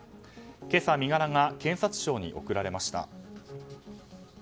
今朝、身柄が検察庁に送られました。